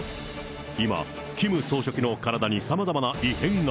今、キム総書記の体にさまざまな異変が。